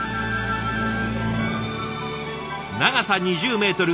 長さ２０メートル